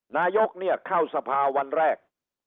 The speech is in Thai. นายกเนี่ยเข้าสภาวันแรก